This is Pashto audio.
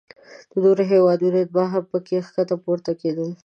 د نورو هیوادونو اتباع هم پکې ښکته پورته کیدل.